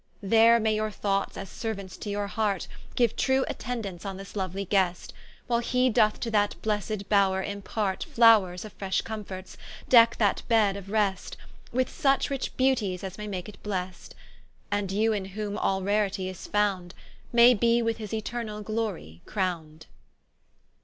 There may your thoughts as seruaunts to your heart, Giue true attendance on this louely guest, While he doth to that blessed bowre impart Flowres of fresh comforts, decke that bed of rest, With such rich beauties as may make it blest: And you in whom all raritie is found, May be with his eternall glory crownd.